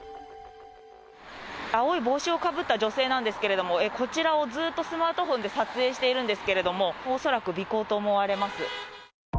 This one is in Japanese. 青い帽子をかぶった女性なんですけれども、こちらをずっとスマートフォンで撮影しているんですけれども、恐らく尾行と思われます。